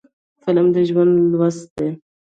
فلم د ژوند لوست دی